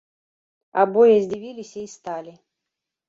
Абое здзівіліся і сталі.